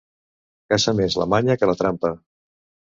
Caça més la manya que la trampa.